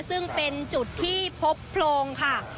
ซึ่งเป็นจุดที่พบโพรงค่ะ